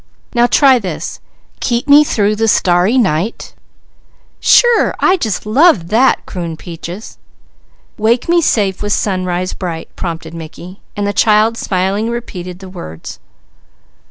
Now try this: Keep me through the starry night " "Sure! I just love that," crooned Peaches. "Wake me safe with sunrise bright," prompted Mickey, and the child smilingly repeated the words.